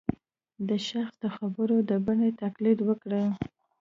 د شخص د خبرو د بڼې تقلید وکړي